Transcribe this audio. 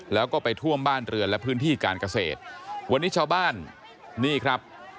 แล้วก็ไปท่วมบ้านเรือนและพื้นที่การเกษตรวันนี้ชาวบ้านนี่ครับ